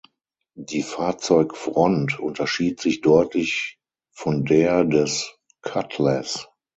Die Fahrzeugfront unterschied sich deutlich von der des Cutlass.